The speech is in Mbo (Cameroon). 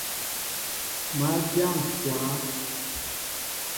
Má dyá ŋkwă.